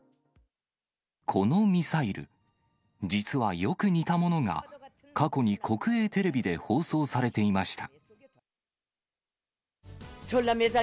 このミサイル、実はよく似たものが過去に国営テレビで放送されていました。